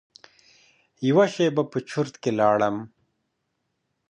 یوه شېبه په چرت کې لاړم.